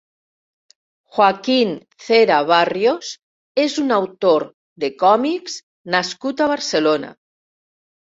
Joaquín Cera Barrios és un autor de còmics nascut a Barcelona.